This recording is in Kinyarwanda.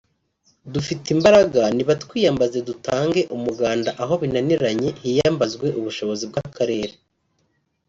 Dufite imbaraga nibatwiyambaze dutange umuganda aho binaniranye hiyambazwe ubushobozi bw’akarere